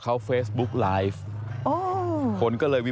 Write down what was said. เอากล้องไว้